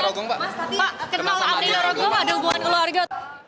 mas tadi kenal amdina rogong ada hubungan keluarga